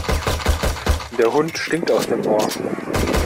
Der Hund stinkt aus dem Ohr.